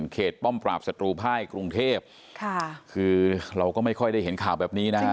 ป้อมปราบศัตรูภายกรุงเทพค่ะคือเราก็ไม่ค่อยได้เห็นข่าวแบบนี้นะฮะ